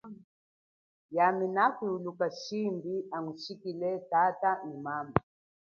Yami nakwiuluka shimbi angushikile tata nyi mama.